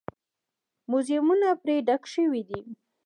موزیمونه پرې ډک شوي دي.